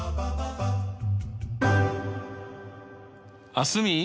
蒼澄。